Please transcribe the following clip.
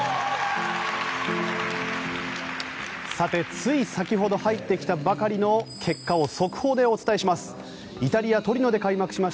つい先ほど入ってきたばかりの結果を速報でお伝えします。